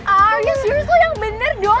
are you serious lo yang bener dong